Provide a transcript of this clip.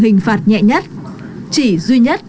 hình phạt nhẹ nhất chỉ duy nhất